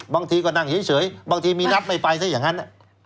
บางทีก็นั่งเฉยบางทีมีนัดไม่ไปซะอย่างนั้น